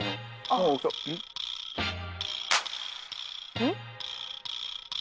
えっ。